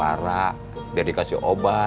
makanya tuh kamu harus datang ke rumah dokter clara